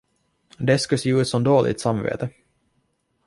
Det skulle se ut som dåligt samvete.